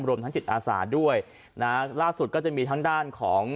รวมทั้งจิตอาสาด้วยนะล่าสุดก็จะมีทางด้านของ